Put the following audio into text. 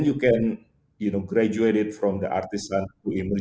kemudian anda bisa mengajar dari artisan hingga menjadi pengembara